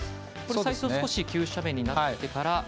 最初、少し急斜面になってから。